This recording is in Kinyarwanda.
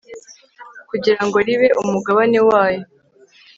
kugirango ribe umugabane wayo